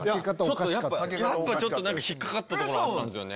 ちょっとやっぱやっぱちょっと引っかかったとこあったんですよね。